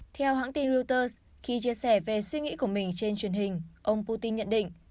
theo hãng tin reuters khi chia sẻ về suy nghĩ của mình trên truyền hình ông putin nhận định